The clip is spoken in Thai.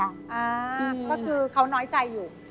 อ่าก็คือเขาน้อยใจอยู่